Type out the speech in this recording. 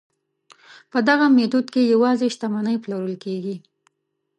په دغه میتود کې یوازې شتمنۍ پلورل کیږي.